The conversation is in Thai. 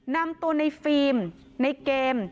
นำตัวในฟิล์มในเกม